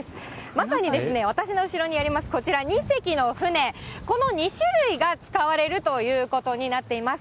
まさに私の後ろにあります、こちら２隻の舟、この２種類が使われるということになっています。